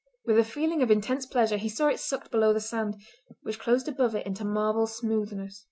With a feeling of intense pleasure he saw it sucked below the sand, which closed above it into marble smoothness.